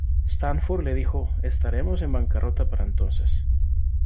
Stanford le dijo "estaremos en bancarrota para entonces".